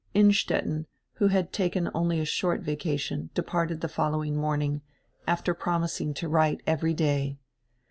Innstetten, who had taken only a short vacation, departed the following morning, after promising to write every day.